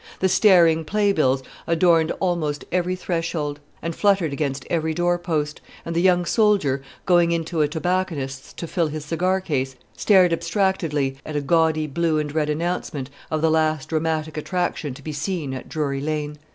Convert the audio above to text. The staring play bills adorned almost every threshold, and fluttered against every door post; and the young soldier, going into a tobacconist's to fill his cigar case, stared abstractedly at a gaudy blue and red announcement of the last dramatic attraction to be seen at Drury Lane.